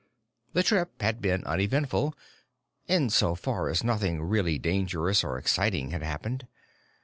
The trip had been uneventful, in so far as nothing really dangerous or exciting had happened.